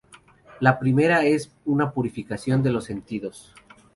La primera es una purificación de los sentidos.